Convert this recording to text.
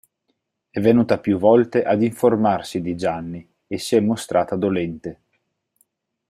È venuta più volte ad informarsi di Gianni e si è mostrata dolente.